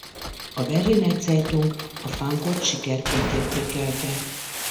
A Berliner Zeitung a Funkot sikerként értékelte.